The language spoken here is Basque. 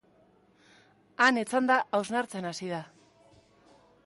Han etzanda hausnartzen hasi da.